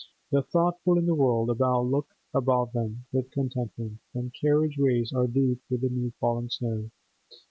The thoughtful in the world above look about them with contentment when carriage ways are deep with new fallen snow.